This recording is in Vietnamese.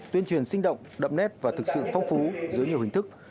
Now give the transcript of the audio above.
tuyên truyền sinh động đậm nét và thực sự phong phú dưới nhiều hình thức